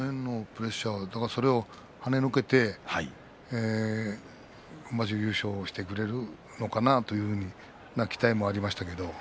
そのプレッシャーをはねのけて今場所、優勝してくれるのかなという期待もありました。